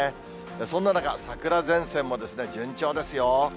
そんな中、桜前線も順調ですよ。